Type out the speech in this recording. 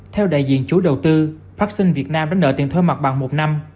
theo đại diện chủ đầu tư bác sơn việt nam đã nợ tiền thuê mặt bằng một năm